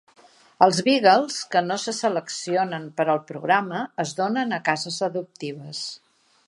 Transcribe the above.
Els beagles que no se seleccionen per al programa es donen a cases adoptives.